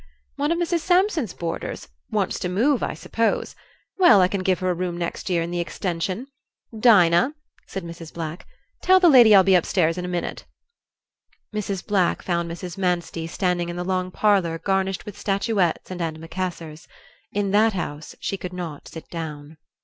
"One of Mrs. Sampson's boarders; wants to move, I suppose. Well, I can give her a room next year in the extension. Dinah," said Mrs. Black, "tell the lady I'll be upstairs in a minute." Mrs. Black found Mrs. Manstey standing in the long parlor garnished with statuettes and antimacassars; in that house she could not sit down.